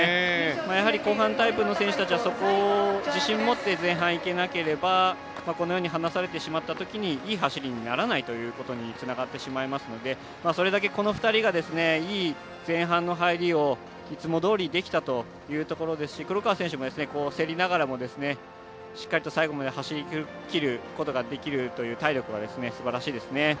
やはり後半タイプの選手たちはそこを自信持って前半いけなければこのように離されてしまったときにいい走りにならないということにつながってしまいますのでそれだけ、この２人がいい前半の入りをいつもどおりできたというところですし黒川選手も競りながらも、しっかりと最後まで走りきることができるという体力は、すばらしいですね。